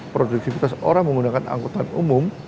produktivitas orang menggunakan angkutan umum